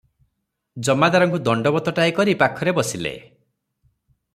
ଜମାଦାରଙ୍କୁ ଦଣ୍ଡବତଟାଏ କରି ପାଖରେ ବସିଲେ ।